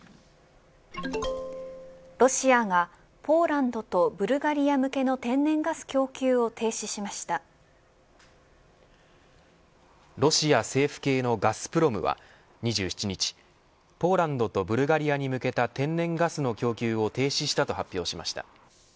ロシアが、ポーランドとブルガリア向けの天然ガス供給をロシア政府系のガスプロムは２７日ポーランドとブルガリアに向けた天然ガスの供給を停止したと発表しました。